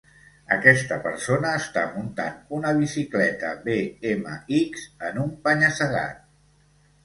Aquesta persona està muntant una bicicleta BMX en un penya-segat.